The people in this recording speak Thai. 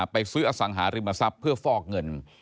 ไปซื้ออสังหาริมทรัพย์เพื่อฟอกเงิน